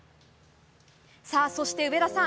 そして、上田さん